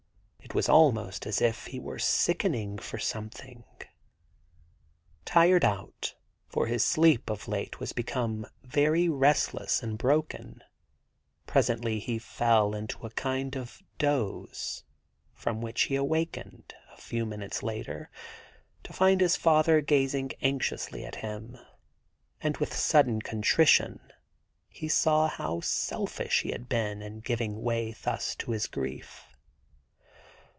It was almost as if he were sickening for something. ... Tired out, for his sleep of late was become very restless and broken, presently he fell into a kind of doze, from which he awakened, a few minutes later, to find his father gazing anxiously at him; and with sudden contrition he saw how selfish he had been in giving way thus to his grief.